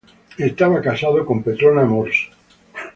Estaba casado con Petrona Mors.